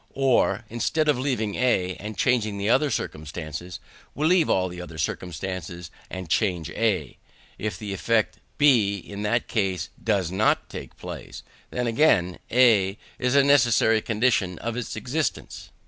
Or, instead of leaving A, and changing the other circumstances, we leave all the other circumstances and change A: if the effect B in that case does not take place, then again A is a necessary condition of its existence.